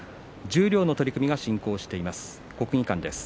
十両の取組が進行している国技館です。